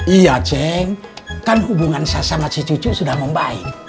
iya ceng kan hubungan saya sama si cucu sudah membaik